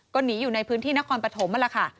ก็หนีอยู่ในพื้นที่นครปฐมแล้วค่ะ